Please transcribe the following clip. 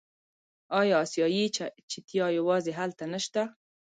آیا اسیایي چیتا یوازې هلته نشته؟